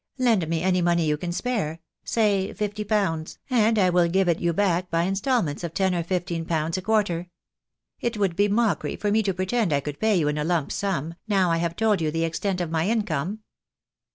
Lend me any money you can spare, say fifty pounds, and I will give it you back by instalments of ten or fifteen pounds a quarter. It would be mockery 316 THE DAY WILL COME. for me to pretend I could pay you in a lump sum, now I have told you the extent of my income."